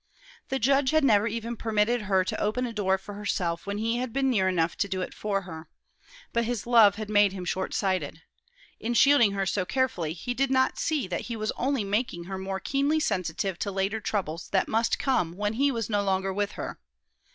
The judge had never even permitted her to open a door for herself when he had been near enough to do it for her. But his love had made him short sighted. In shielding her so carefully, he did not see that he was only making her more keenly sensitive to later troubles that must come when he was no longer with her.